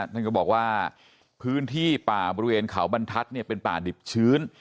ท่านก็บอกว่าพื้นที่ป่าบริเวณเขาบรรทัศน์เป็นป่าดิบชื้น